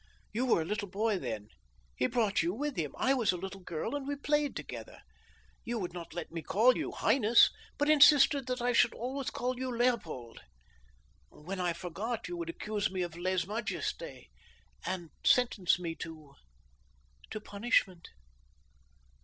You were a little boy then. He brought you with him. I was a little girl, and we played together. You would not let me call you 'highness,' but insisted that I should always call you Leopold. When I forgot you would accuse me of lese majeste, and sentence me to—to punishment."